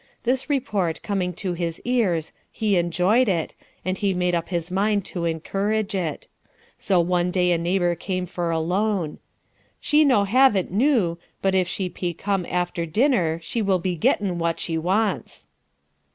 This report coming to his ears, he enjoyed it, and he made up his mind to encourage it. So one day a neighbor came for a loan. 'She no have it noo, but if she pe come after dinner she will be gettin' what she wants.'